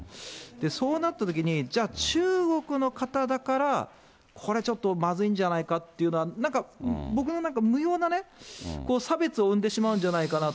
そうなったときに、じゃあ中国の方だからこれ、ちょっとまずいんじゃないかっていうのは、僕のなんか無用なね、差別を生んでしまうんじゃないかなと。